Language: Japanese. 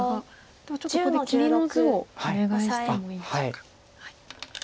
ではちょっとここで切りの図をお願いしてもいいでしょうか。